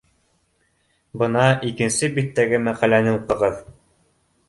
— Бына, икенсе биттәге мәҡәләне уҡығыҙ